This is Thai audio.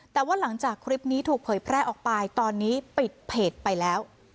แต่ว่าหลังจากคลิปนี้ถูกเผยแพร่ออกไปตอนนี้ปิดเพจไปแล้ว